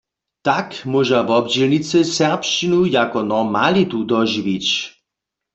Tak móža wobdźělnicy serbšćinu jako normalitu dožiwić.